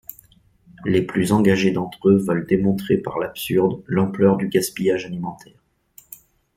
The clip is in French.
Les plus engagés d'entre eux veulent démontrer par l'absurde l'ampleur du gaspillage alimentaire.